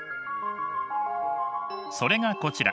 それがこちら。